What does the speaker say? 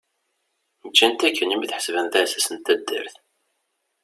Ǧǧan-t akken imi t-ḥesben d aɛessas n taddart.